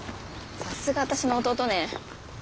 さすが私の弟ね。